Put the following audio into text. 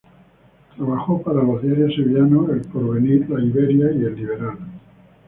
Trabajó para los diarios sevillanos "El Porvenir", "La Iberia" y "El Liberal".